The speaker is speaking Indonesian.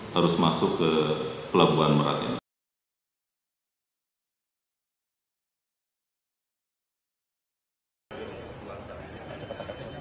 harus masuk ke pelabuhan merak ini